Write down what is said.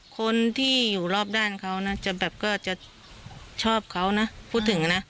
คนที่อยู่รอบด้านเขานะจะแบบก็จะชอบเขานะพูดถึงนะ